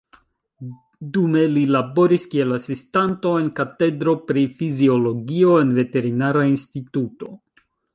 Dume li laboris kiel asistanto en katedro pri fiziologio en veterinara instituto.